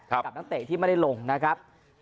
กับนักเตะที่ไม่ได้ลงนะครับ